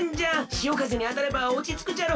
しおかぜにあたればおちつくじゃろ。